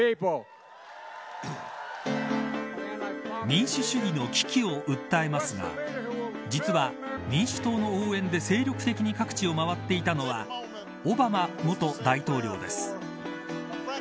民主主義の危機を訴えますが実は、民主党の応援で精力的に各地を回っていたのはオバマ元大統領です。